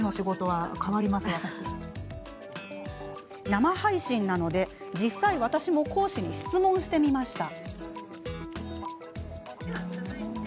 生配信なので、実際私も講師に質問をしてみました。